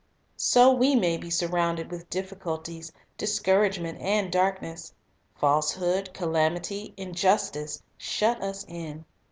So we may be surrounded with difficulties, discouragement, and darkness. Falsehood, calamity, Above the injustice, shut us in.